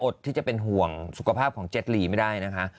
ที่จะเป็นห่วงสุขภาพของเจ็ดลีไม่ได้นะคะ